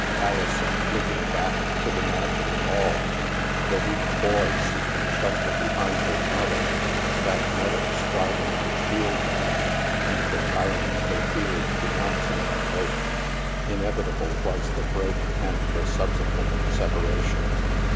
Alison, looking back, could imagine it all. The weak boy seeking shelter behind his mother, that mother striving to shield him, and the tyrant they feared denouncing them both. Inevitable was the break and the subsequent separation.